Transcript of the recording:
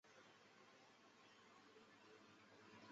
克里斯蒂安尽力维系挪威人和丹麦王室的关系。